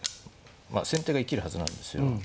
先手が生きるはずなんですよ。